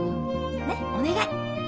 ねっお願い！